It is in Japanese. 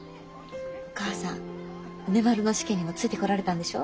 お母さん梅丸の試験にもついてこられたんでしょ？